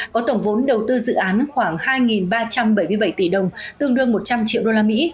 có tổng vốn đầu tư dự án khoảng hai ba trăm bảy mươi bảy tỷ đồng tương đương một trăm linh triệu đô la mỹ